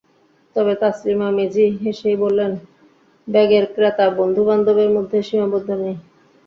তবে তাসলিমা মিজি হেসেই বললেন, ব্যাগের ক্রেতা বন্ধুবান্ধবের মধ্যে সীমাবদ্ধ নেই।